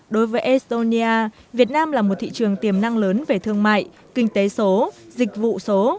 đối với estonia việt nam là một thị trường tiềm năng lớn về thương mại kinh tế số dịch vụ số